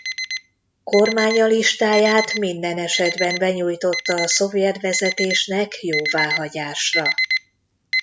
Kormánya listáját minden esetben benyújtotta a szovjet vezetésnek jóváhagyásra.